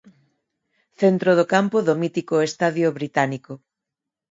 Centro do campo do mítico estadio británico.